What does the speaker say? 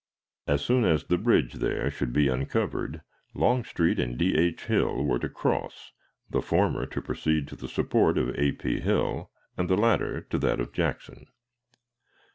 As soon as the bridge there should be uncovered, Longstreet and D. H. Hill were to cross, the former to proceed to the support of A. P. Hill and the latter to that of Jackson.